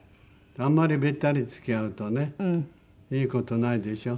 あんまりべったり付き合うとねいい事ないでしょ。